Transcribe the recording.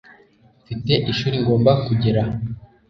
Mfite ishuri ngomba kugera